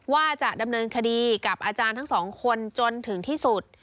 ว่าจะดำเนินคดีกับอาจารย์ทั้งสองคนจนถึงที่สุด